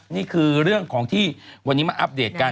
นี่คือเรื่องของที่วันนี้มาอัปเดตกัน